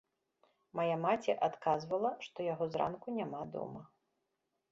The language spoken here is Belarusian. Мая маці адказвала, што яго зранку няма дома.